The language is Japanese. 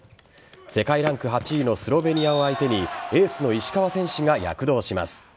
世界ランク８位のスロベニアを相手にエースの石川選手が躍動します。